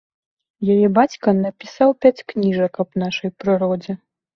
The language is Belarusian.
Яе бацька напісаў пяць кніжак аб нашай прыродзе.